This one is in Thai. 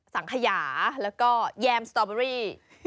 สังขยาแล้วก็แยมสตอเบอรี่